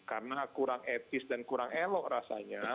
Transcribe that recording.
karena kurang etis dan kurang elok rasanya